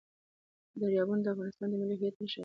دریابونه د افغانستان د ملي هویت نښه ده.